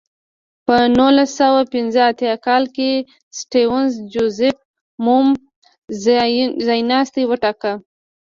په نولس سوه پنځه اتیا کال کې سټیونز جوزیف مومو ځایناستی وټاکه.